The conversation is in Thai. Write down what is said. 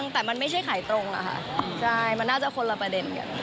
แต่มันไม่ใช่ขายตรงอะค่ะใช่มันน่าจะคนละประเด็นกัน